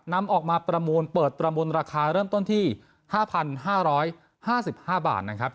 นำออกมาประมวลเปิดประมวลราคาเริ่มต้นที่ห้าพันห้าร้อยห้าสิบห้าบาทนะครับ